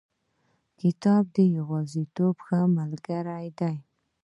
کتاب د یوازیتوب ښه ملګری دی.